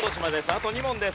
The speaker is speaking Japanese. あと２問です。